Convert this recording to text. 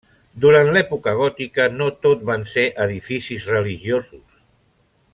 Durant l'època gòtica, no tot van ser edificis religiosos.